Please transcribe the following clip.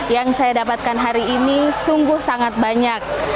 yang saya dapatkan hari ini sungguh sangat banyak